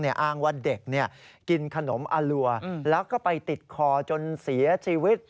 อ้างว่าเด็กกินขนมอรัวแล้วก็ไปติดคอจนเสียชีวิต